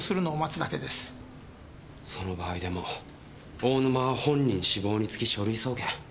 その場合でも大沼は本人死亡につき書類送検。